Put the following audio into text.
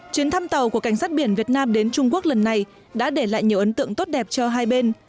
chuyến thăm tàu của cảnh sát biển việt nam đến trung quốc lần này đã để lại nhiều ấn tượng tốt đẹp cho hai bên